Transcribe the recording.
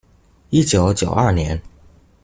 一九九二年